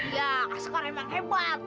iya kak sekar emang hebat